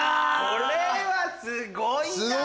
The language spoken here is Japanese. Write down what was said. これはすごいな！